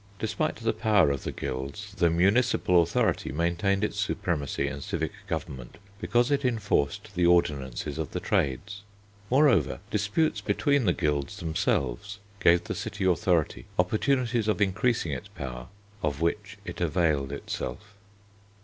Despite the power of the guilds the municipal authority maintained its supremacy in civic government because it enforced the ordinances of the trades. Moreover, disputes between the guilds themselves gave the city authority opportunities of increasing its power, of which it availed itself.